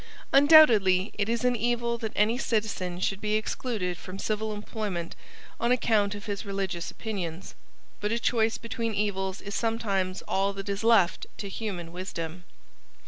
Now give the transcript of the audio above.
Undoubtedly it is an evil that any citizen should be excluded from civil employment on account of his religious opinions: but a choice between evils is sometimes all that is left to human wisdom.